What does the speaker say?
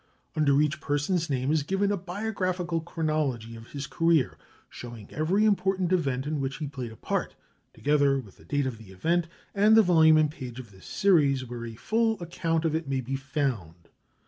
Under each person's name is given a biographical chronology of his career, showing every important event in which he played a part, together with the date of the event, and the volume and page of this series where a full account of it may be found.